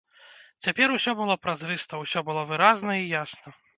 Цяпер усё было празрыста, усё было выразна і ясна.